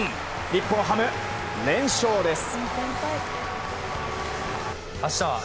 日本ハム、連勝です。